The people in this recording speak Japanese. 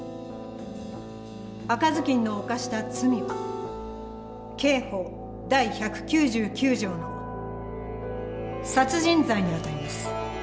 赤ずきんの犯した罪は刑法第１９９条の殺人罪にあたります。